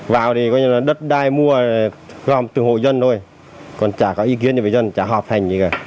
vào thì coi như là đất đai mua gom từ hộ dân thôi còn chả có ý kiến gì với dân chả họp hành gì cả